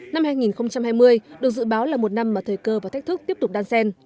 năm hai nghìn hai mươi được dự báo là một năm mà thời cơ và thách thức tiếp tục đan xen